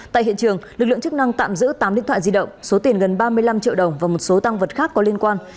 tại hiện trường lực lượng chức năng tạm giữ tám điện thoại di động số tiền gần ba mươi năm triệu đồng và một số tăng vật khác có liên quan